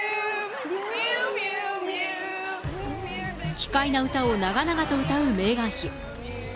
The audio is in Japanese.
奇怪な歌を長々と歌うメーガン妃。